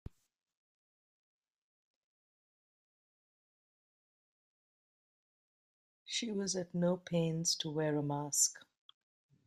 She was at no pains to wear a mask.